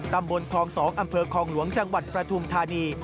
ตำบลคลอง๒อำเภอคลองหลวงจังหวัดปฐุมธานี